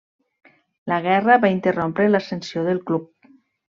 La guerra va interrompre l'ascensió del club.